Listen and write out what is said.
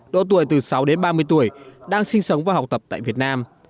độ tuổi từ sáu đến ba mươi tuổi đang sinh sống và học tập tại việt nam